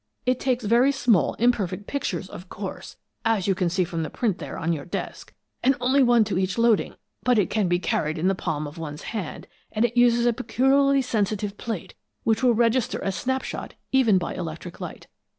It takes very small, imperfect pictures, of course, as you can see from the print there on your desk, and only one to each loading, but it can be carried in the palm of one's hand, and it uses a peculiarly sensitive plate that will register a snap shot even by electric light.